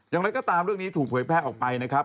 อย่างไรก็ตามเรื่องนี้ถูกเผยแพร่ออกไปนะครับ